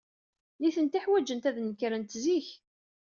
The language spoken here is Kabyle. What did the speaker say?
Nitenti ḥwajent ad nekrent zik.